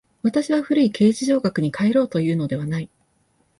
私は古い形而上学に還ろうというのではない。